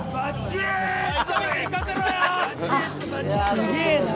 すげぇな。